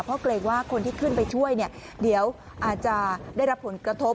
เพราะเกรงว่าคนที่ขึ้นไปช่วยเนี่ยเดี๋ยวอาจจะได้รับผลกระทบ